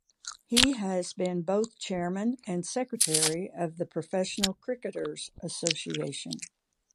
He has been both chairman and secretary of the Professional Cricketers' Association.